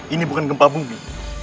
ini bukan gempa bumi